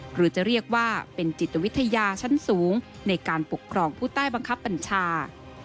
หรือจะเรียกว่าเป็นจิตวิทยาชั้นสูงในการปกครองผู้ใต้บังคับบัญชา